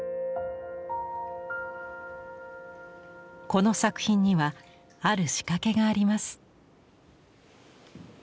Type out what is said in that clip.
この作品にはある仕掛けがあります。